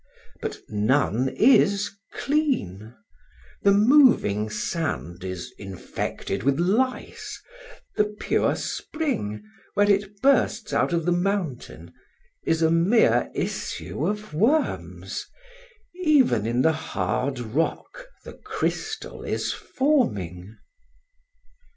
But none is clean: the moving sand is infected with lice; the pure spring, where it bursts out of the mountain, is a mere issue of worms; even in the hard rock the crystal is forming.